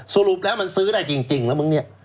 สรุปแล้วมันซื้อได้จริงแล้วมึงเนี่ย